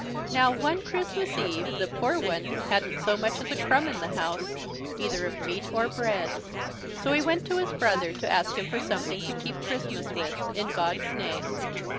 Now, one Christmas eve, the poor one hadn't so much as a crumb in the house, either of meat or bread, so he went to his brother to ask him for something to keep Christmas with, in God's name.